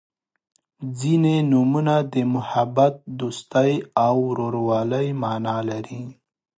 • ځینې نومونه د محبت، دوستۍ او ورورولۍ معنا لري.